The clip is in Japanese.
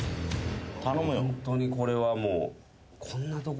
ホントにこれはもう。